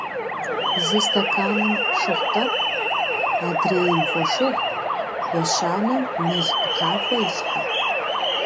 Зы стэканым шыгъу тӀэкӀу, адрейм — фошыгъу, ещанэм — мел къутахуэ илъхьэ.